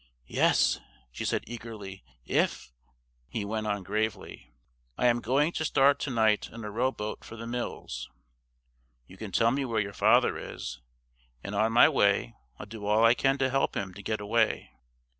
"Yes," she said eagerly, "if " He went on gravely: "I am going to start to night in a row boat for The Mills. You can tell me where your father is, and on my way I'll do all I can to help him to get away.